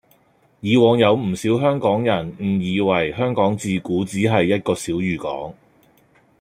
以往有唔少香港人誤以為香港自古只係一個小漁港